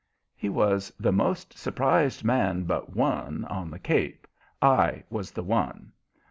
He was the most surprised man, but one, on the Cape: I was the one.